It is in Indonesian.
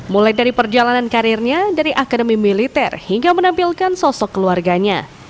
mulai dari perjalanan karirnya dari akademi militer hingga menampilkan sosok keluarganya